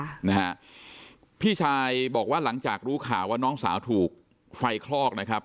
ค่ะนะฮะพี่ชายบอกว่าหลังจากรู้ข่าวว่าน้องสาวถูกไฟคลอกนะครับ